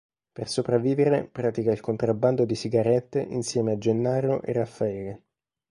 Per sopravvivere pratica il contrabbando di sigarette insieme a Gennaro e Raffaele.